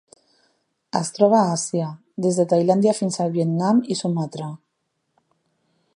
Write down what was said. Es troba a Àsia: des de Tailàndia fins al Vietnam i Sumatra.